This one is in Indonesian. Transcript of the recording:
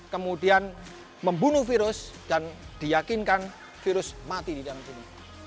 kemudian membunuh virus dan diyakinkan virus mati di dalam sini